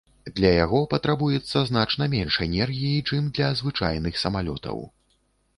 Для яго патрабуецца значна менш энергіі, чым для звычайных самалётаў.